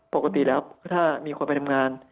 ปกติแล้วถ้ามีคนไปทำงาน